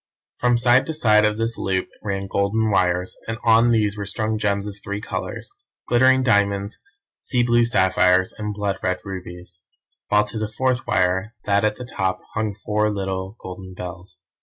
From side to side of this loop ran golden wires, and on these were strung gems of three colours, glittering diamonds, sea blue sapphires, and blood red rubies, while to the fourth wire, that at the top, hung four little golden bells.